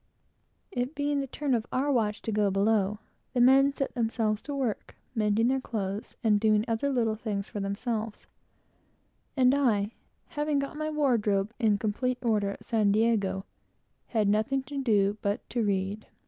It being the turn of our watch to go below, the men went to work, mending their clothes, and doing other little things for themselves; and I, having got my wardrobe in complete order at San Diego, had nothing to do but to read.